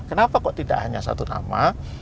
kenapa kok tidak hanya satu nama